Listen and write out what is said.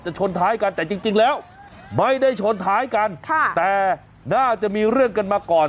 ชนท้ายกันแต่จริงแล้วไม่ได้ชนท้ายกันค่ะแต่น่าจะมีเรื่องกันมาก่อน